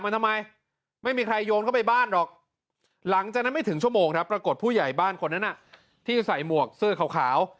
ที่ใส่หมวกเสื้อขาว